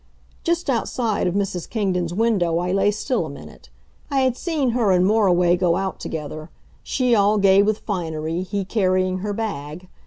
Just outside of Mrs. Kingdon's window I lay still a minute. I had seen her and Moriway go out together she all gay with finery, he carrying her bag.